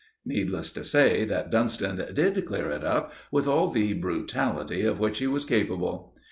Needless to say that Dunston did clear it up with all the brutality of which he was capable.